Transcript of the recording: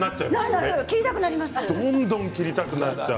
どんどん切りたくなっちゃう。